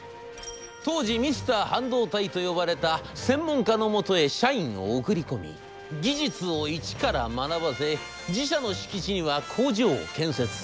当時『ミスター半導体』と呼ばれた専門家のもとへ社員を送り込み技術を一から学ばせ自社の敷地には工場を建設。